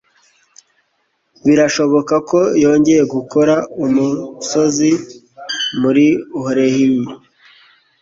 Birashoboka ko yongeye gukora umusozi muri molehill.